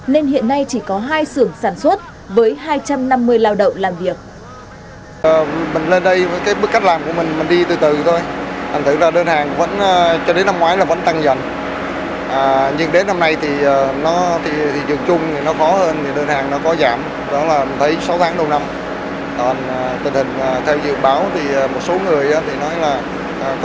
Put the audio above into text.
nên hiện nay chỉ có hai xưởng sản xuất với hai trăm năm mươi lao động làm việc